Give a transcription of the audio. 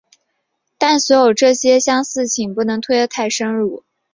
但所有这些相似性不能推得太深入。